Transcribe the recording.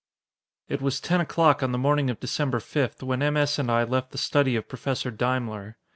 _] It was ten o'clock on the morning of December 5 when M. S. and I left the study of Professor Daimler.